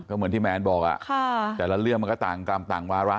ก็เหมือนที่แมนบอกแต่ละเรื่องมันก็ต่างกรรมต่างวาระ